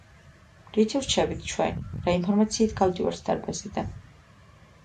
რითი ვრჩებით ჩვენ, რა ინფორმაციით გავდივართ დარბაზიდან.